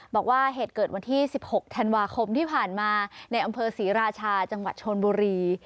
บอกว่าเหตุเกิดวันที่๑๖ธันวาคมที่ผ่านมาในอำเภอศรีราชาจังหวัดชนบุรี